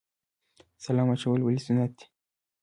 سلام اچول ولې سنت دي؟